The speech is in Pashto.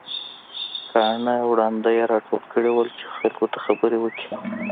کاڼه او ړانده يې راټول کړي وو چې خلک ته خبرې وکړي.